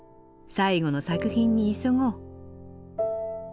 最後の作品に急ごう。